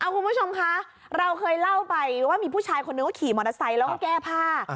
คุณผู้ชมคะเราเคยเล่าไปว่ามีผู้ชายคนนึงก็ขี่มอเตอร์ไซค์แล้วก็แก้ผ้า